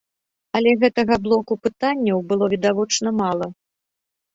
Але гэтага блоку пытанняў было відавочна мала.